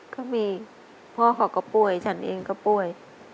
ก็มีพ่อเขาก็ป่วยฉันเองก็ป่วย